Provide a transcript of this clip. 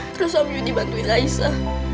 terus amjun dibantuin naisa